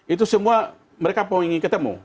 itu semua mereka poingi ketemu